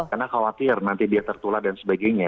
karena khawatir nanti dia tertulah dan sebagainya